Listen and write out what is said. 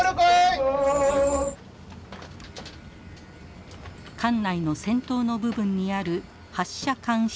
艦内の先頭の部分にある発射管室。